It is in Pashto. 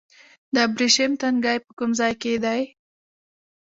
د ابریشم تنګی په کوم ځای کې دی؟